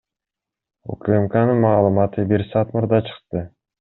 УКМКнын маалыматы бир саат мурда чыкты.